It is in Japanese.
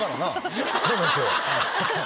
そうなんですよ。